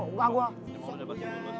emang udah bagian lo mas